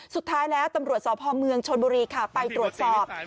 สุดท้ายแล้วตำรวจสพเมืองชนบุรีค่ะไปตรวจสอบ